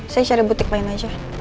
saya cari butik lain aja